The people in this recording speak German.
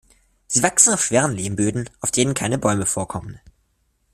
Sie wachsen auf schweren Lehmböden, auf denen keine Bäume vorkommen.